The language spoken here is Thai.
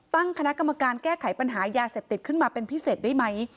ตั้งคณะกรรมการแก้ไขปัญหายาเสพติดขึ้นมาเป็นพิเศษได้ไหม